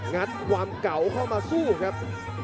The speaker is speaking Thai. งัดความเก่าเข้ามาสู้ครับ